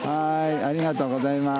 ありがとうございます。